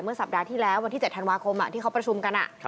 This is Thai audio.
สัปดาห์ที่แล้ววันที่๗ธันวาคมที่เขาประชุมกัน